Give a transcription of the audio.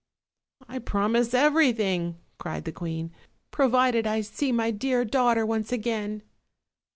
"I promise everything," cried the queen, "provided I see my dear daughter once again."